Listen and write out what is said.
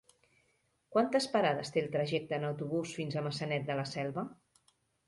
Quantes parades té el trajecte en autobús fins a Maçanet de la Selva?